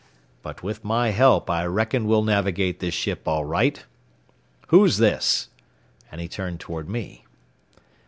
But with my help I reckon we'll navigate this ship all right. Who's this?" and he turned toward me.